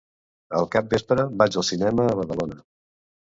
Al capvespre vaig al cinema a Badalona.